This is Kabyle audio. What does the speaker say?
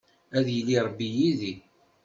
Ad yili Ṛebbi yid-i.